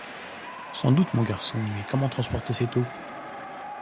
Sans doute, mon garçon, mais comment transporter cette eau?